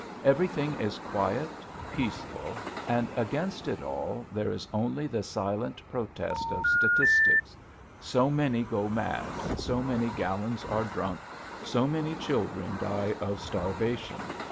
Everything is quiet, peaceful, and against it all there is only the silent protest of statistics; so many go mad, so many gallons are drunk, so many children die of starvation....